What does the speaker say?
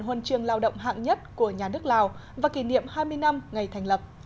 huân trường lao động hạng nhất của nhà nước lào và kỷ niệm hai mươi năm ngày thành lập